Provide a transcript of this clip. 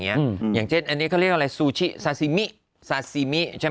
เงี้ยอย่างเช่นอันนี้ก็เรียกอะไรซูชิซาซีมิซาซีมิใช่